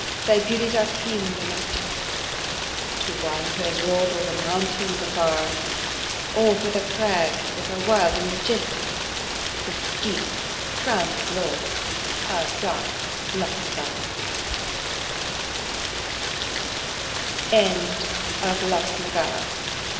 thy beauties are tame and domestic, To one who has rov'd on the mountains afar: Oh! for the crags that are wild and majestic, The steep, frowning glories of dark Loch na Garr.